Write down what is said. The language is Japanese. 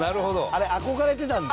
あれ憧れてたんだ？